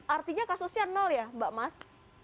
artinya kasusnya nol ya mbak mas